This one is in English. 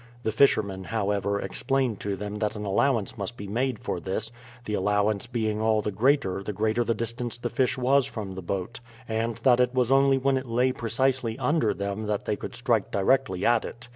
The fishermen, however, explained to them that an allowance must be made for this, the allowance being all the greater the greater the distance the fish was from the boat, and that it was only when it lay precisely under them that they could strike directly at it.